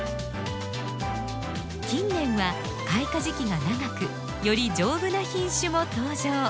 近年は開花時期が長くより丈夫な品種も登場。